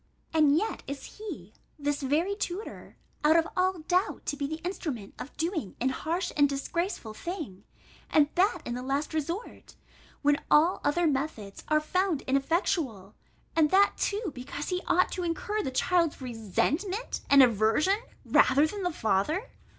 And yet is he, this very tutor out of all doubt, to be the instrument of doing an harsh and disgraceful thing, and that in the last resort, when all other methods are found ineffectual; and that too, because he ought to incur the child's resentment and aversion, rather than the father?